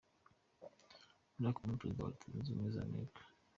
Barack Obama, Perezida wa Leta Zunze Ubumwe za Amerika.